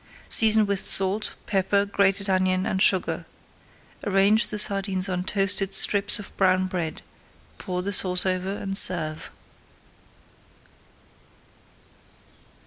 Season with salt, pepper, grated onion, and sugar. Arrange the sardines on toasted strips of brown bread, pour the sauce over, and serve.